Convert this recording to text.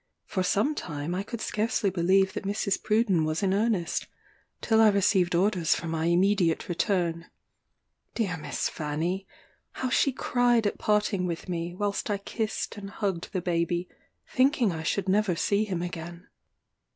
For some time I could scarcely believe that Mrs. Pruden was in earnest, till I received orders for my immediate return. Dear Miss Fanny! how she cried at parting with me, whilst I kissed and hugged the baby, thinking I should never see him again.